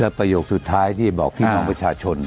ประโยคสุดท้ายที่บอกพี่น้องประชาชน